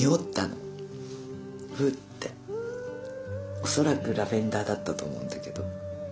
おそらくラベンダーだったと思うんだけど。